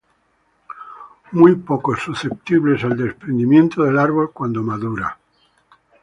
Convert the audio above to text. Muy poco susceptibles al desprendimiento del árbol cuando madura.